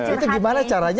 itu gimana caranya